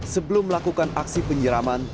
sebelum melakukan aksi penjeraman